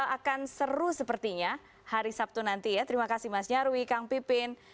akan seru sepertinya hari sabtu nanti ya terima kasih mas nyarwi kang pipin